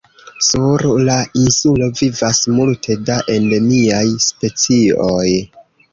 Sur la insulo vivas multe da endemiaj specioj.